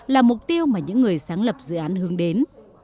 là mục tiêu mà những người sáng lập dự án hướng đến